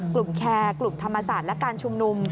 แคร์กลุ่มธรรมศาสตร์และการชุมนุม